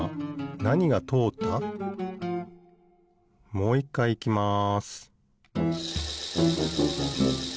もういっかいいきます